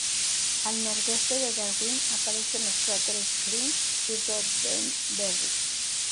Al nordeste de Darwin aparecen los cráteres Green y Roddenberry.